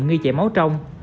nghi chạy máu trong